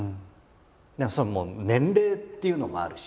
でもそれもう年齢っていうのもあるし。